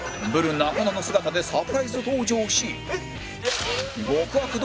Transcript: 中野の姿でサプライズ登場し